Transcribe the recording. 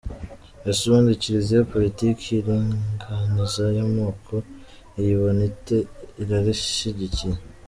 Ese ubundi Kiliziya politiki y’iringaniza y’amoko iyibona ite, irarishyigikiye”?